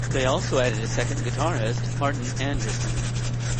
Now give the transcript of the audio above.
They also added a second guitarist, Martin Andersson.